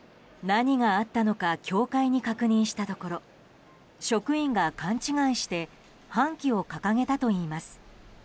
何があったのか教会に確認したところ職員が勘違いして半旗を掲げたといいます。